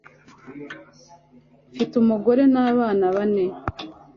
mfite umugore n'abana bane